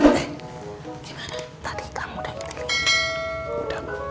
eh gimana tadi kamu udah ngeliat apa